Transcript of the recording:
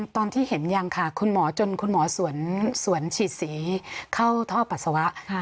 ตอนที่เห็นยังค่ะคุณหมอจนคุณหมอสวนฉีดสีเข้าท่อปัสสาวะ